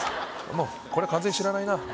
もうこれは完全に知らないな